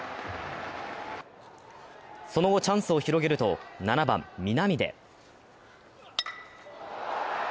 その後チャンスを広げると７番・南出。